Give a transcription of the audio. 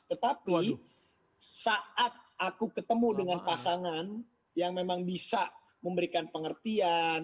tetapi saat aku ketemu dengan pasangan yang memang bisa memberikan pengertian